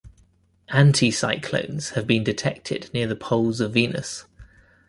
Anticyclones have been detected near the poles of Venus.